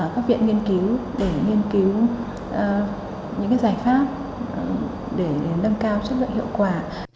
các viện nghiên cứu để nghiên cứu những giải pháp để nâng cao chất lượng hiệu quả